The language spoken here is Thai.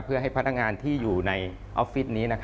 เพื่อให้พนักงานที่อยู่ในออฟฟิศนี้